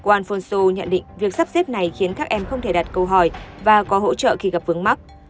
quan sô nhận định việc sắp xếp này khiến các em không thể đặt câu hỏi và có hỗ trợ khi gặp vướng mắt